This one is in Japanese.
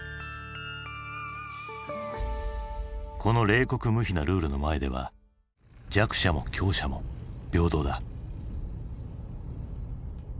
この冷酷無比なルールの前では弱者も強者も平等だ。